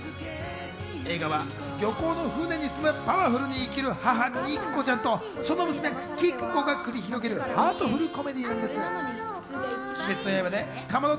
映画は漁港の船に住むパワフルに生きる母・肉子ちゃんとその娘・キクコが繰り広げるハートフルコメディーです。